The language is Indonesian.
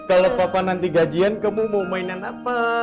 kalau papa nanti gajian kamu mau mainan apa